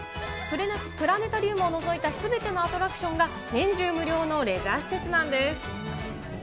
プラネタリウムを除いたすべてのアトラクションが年中無料のレジャー施設なんです。